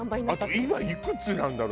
今いくつなんだろう？